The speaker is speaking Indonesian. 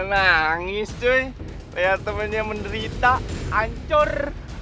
nangis cuy lihat temennya menderita ancur